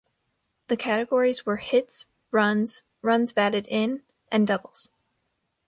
These categories were hits, runs, runs batted in, and doubles.